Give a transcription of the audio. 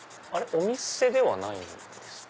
お店ではないんですか？